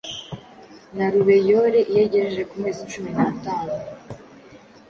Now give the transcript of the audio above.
na rubeyore. Iyo agejeje ku mezi cumi n’atanu,